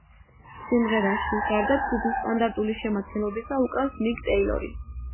სიმღერაში, გარდა ჯგუფის სტანდარტული შემადგენლობისა, უკრავს მიკ ტეილორი.